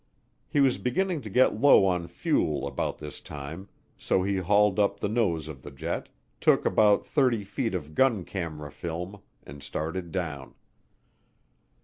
He was beginning to get low on fuel about this time so he hauled up the nose of the jet, took about 30 feet of gun camera film, and started down.